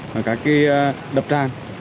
và các cái đập tràn